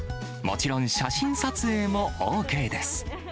もちろん写真撮影もＯＫです。